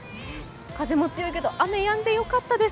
風も強いけど雨やんでよかったです。